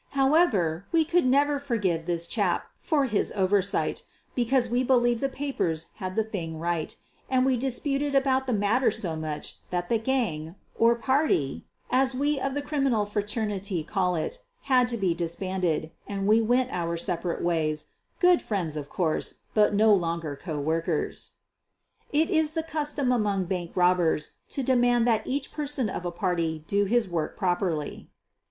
How ever, we could never forgive this chap for his over Bight, because we believed the papers had the thing right, and we disputed about the matter so much that the gang, or " party,' ' as we of the criminal fraternity call it, had to be disbanded, and we went our separate ways, good friends, of course, but no longer co workers. It is the custom among bank robbers to demand that each member of a party do his work properly.